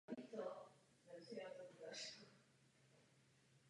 Problém nepřesnosti juliánského kalendáře a nutnost jeho reformy byl znám už dlouho.